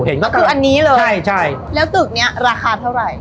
คืออันนี้เลยใช่ใช่แล้วตึกเนี้ยราคาเท่าไหร่